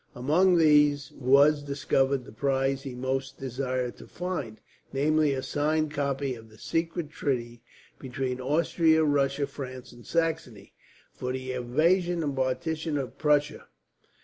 Among these was discovered the prize he most desired to find; namely a signed copy of the secret treaty, between Austria, Russia, France, and Saxony, for the invasion and partition of Prussia.